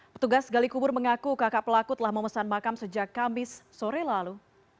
petugas gali kubur mengaku kakak pelaku telah memesan makam sejak kamis sore lalu